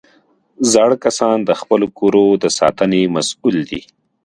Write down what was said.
زاړه کسان د خپلو کورو د ساتنې مسؤل دي